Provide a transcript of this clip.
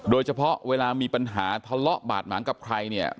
เวลามีปัญหาทะเลาะบาดหมางกับใครเนี่ย